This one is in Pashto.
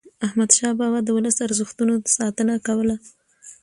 احمدشاه بابا د ولسي ارزښتونو ساتنه کوله.